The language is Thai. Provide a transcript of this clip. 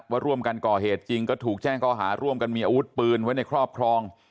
ว่าร่วมกันก่อเหตุจริงก็ถูกแจ้งข้อหาร่วมกันมีอาวุธปืนไว้ในครอบครอง